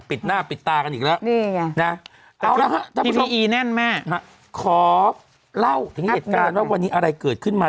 ปิดหน้าปิดตากันอีกแล้วนี่ไงนะเอาละฮะท่านผู้ชมอีแน่นมากขอเล่าถึงเหตุการณ์ว่าวันนี้อะไรเกิดขึ้นมา